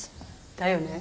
だよね。